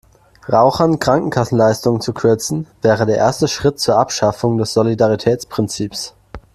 Rauchern Krankenkassenleistungen zu kürzen, wäre der erste Schritt zur Abschaffung des Solidaritätsprinzips.